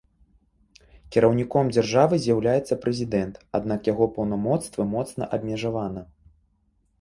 Кіраўніком дзяржавы з'яўляецца прэзідэнт, аднак яго паўнамоцтвы моцна абмежавана.